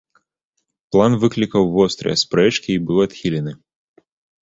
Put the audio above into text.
План выклікаў вострыя спрэчкі і быў адхілены.